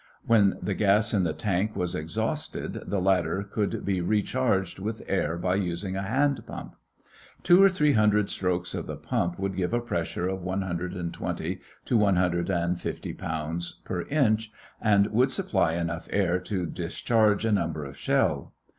When the gas in the tank was exhausted the latter could be recharged with air by using a hand pump. Two or three hundred strokes of the pump would give a pressure of one hundred and twenty to one hundred and fifty pounds per inch, and would supply enough air to discharge a number of shell.